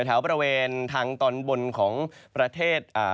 แถวบริเวณทางตอนบนของประเทศ